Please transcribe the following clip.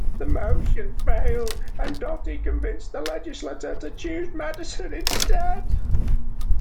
The motion failed, and Doty convinced the legislature to choose Madison instead.